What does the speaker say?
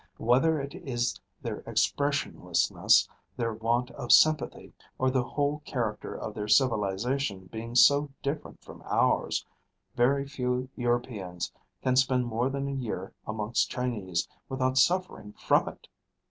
Whether it is their expressionlessness, their want of sympathy, or the whole character of their civilisation being so different from ours, very few Europeans can spend more than a year amongst Chinese without suffering from it.